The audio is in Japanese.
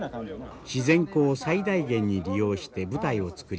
「自然光を最大限に利用して舞台を作りたい」。